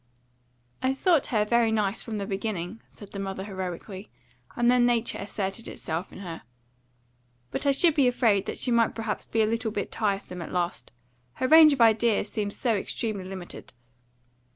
"I thought her very nice from the beginning," said the mother heroically; and then nature asserted itself in her. "But I should be afraid that she might perhaps be a little bit tiresome at last; her range of ideas seemed so extremely limited."